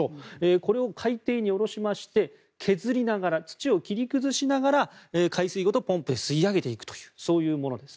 これを海底に下ろしまして削りながら土を切り崩しながら海水ごとポンプで吸い上げていくというものです。